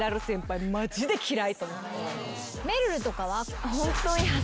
めるるとかは？